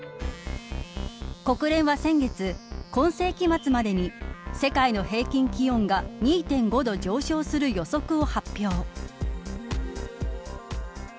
国連は先月今世紀末までに世界の平均気温が２．５度上昇する予測を発表。